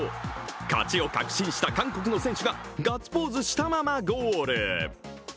勝ちを確信した韓国の選手がガッツポーズしたままゴール。